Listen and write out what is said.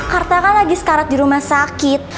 karta kan lagi sekarat di rumah sakit